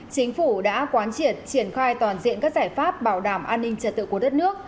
chính phủ đã quán triển triển khai toàn diện các giải pháp bảo đảm an ninh trật tự của đất nước